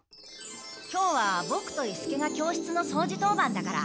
今日はボクと伊助が教室のそうじ当番だから。